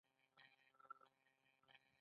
انسان باید په ټوله کې مصرف وکړي